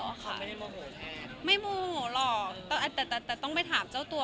เขาไม่ได้โมโหแทนไม่โมโหหรอกแต่แต่ต้องไปถามเจ้าตัว